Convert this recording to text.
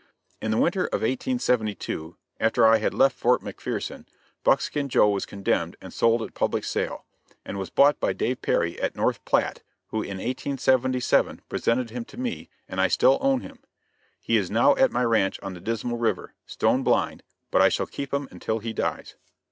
In the winter of 1872, after I had left Fort McPherson, Buckskin Joe was condemned and sold at public sale, and was bought by Dave Perry, at North Platte, who in 1877 presented him to me, and I still own him. He is now at my ranch on the Dismal river, stone blind, but I shall keep him until he dies.